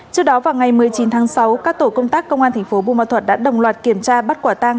trước đó vào ngày một mươi chín tháng sáu các tổ công tác công an tp bung ma thuật đã đồng loạt kiểm tra bắt quả tang